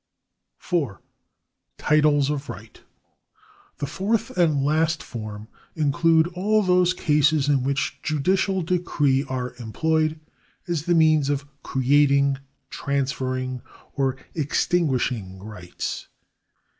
(4) Titles of Right. — The fourth and last form includes all those cases in which judicial decrees are employed as the means of creating, transferring, or extinguishing rights.